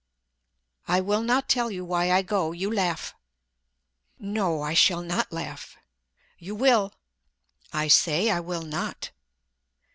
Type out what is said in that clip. "I will not tell you why I go—you laugh." "No, I shall not laugh." "You will." "I say, I will not."